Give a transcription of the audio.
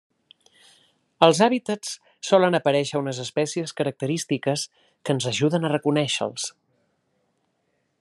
Als hàbitats solen aparèixer unes espècies característiques que ens ajuden a reconèixer-los.